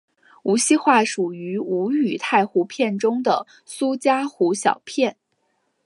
无锡话属于吴语太湖片中的苏嘉湖小片。